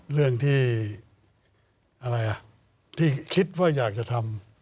เรื่องที่คิดว่าอยากจะทำ